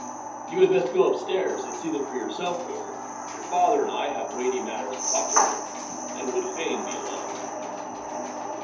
"You had best go upstairs, and see them for yourself, Roger. Your father and I have weighty matters to talk over, and would fain be alone."